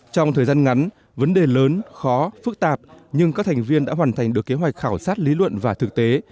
trong thời gian ngắn vấn đề lớn khó phức tạp nhưng các thành viên đã hoàn thành được kế hoạch khảo sát lý luận và thực tế